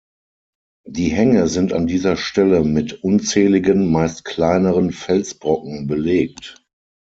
Die Hänge sind an dieser Stelle mit unzähligen meist kleineren Felsbrocken belegt.